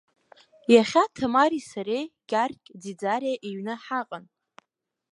Иахьа Ҭамареи сареи Гьаргь Ӡиӡариа иҩны ҳаҟан.